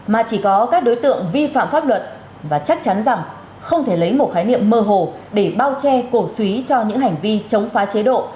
mà chỉ có các đối tượng vi phạm pháp luật và chắc chắn rằng không thể lấy một khái niệm mơ hồ để bao che cổ suý cho những hành vi chống phá chế độ